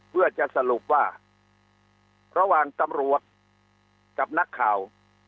เพื่อจะสรุปว่าระหว่างตำรวจกับนักข่าว